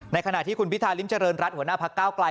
ขณะที่คุณพิธาริมเจริญรัฐหัวหน้าพักเก้าไกล